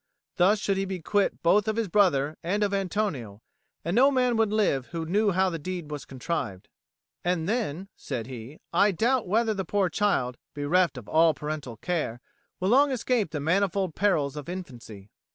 Thus should he be quit both of his brother and of Antonio, and no man would live who knew how the deed was contrived. "And then," said he, "I doubt whether the poor child, bereft of all parental care, will long escape the manifold perils of infancy."